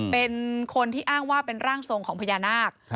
เป็นคนที่อ้างว่าเป็นร่างทรงของพญานาค